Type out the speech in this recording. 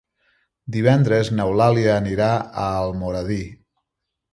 Divendres n'Eulàlia anirà a Almoradí.